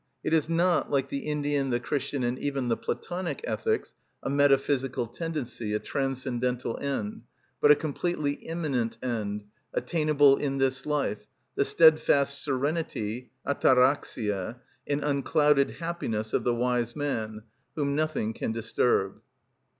It has not, like the Indian, the Christian, and even the Platonic ethics, a metaphysical tendency, a transcendental end, but a completely immanent end, attainable in this life; the steadfast serenity (αταραξια) and unclouded happiness of the wise man, whom nothing can disturb.